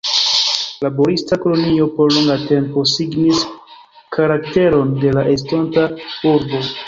Laborista kolonio por longa tempo signis karakteron de la estonta urbo.